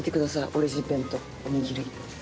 オリジン弁当のおにぎり。